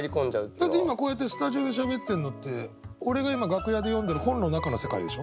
だって今こうやってスタジオでしゃべってんのって俺が今楽屋で読んでる本の中の世界でしょ？